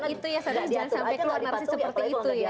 itu ya jangan sampai keluar narsi seperti itu ya